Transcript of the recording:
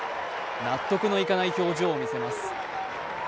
納得のいかない表情を見せます。